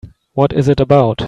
What is it about?